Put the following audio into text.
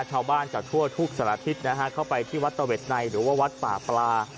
ชาวบ้านจากทั่วทุกสารทิศนะฮะเข้าไปที่วัดตะเว็ดในหรือว่าวัดป่าปลา